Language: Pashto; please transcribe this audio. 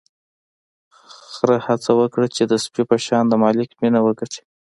خر هڅه وکړه چې د سپي په شان د مالک مینه وګټي.